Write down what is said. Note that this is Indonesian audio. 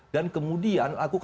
dan kemudian aku kembali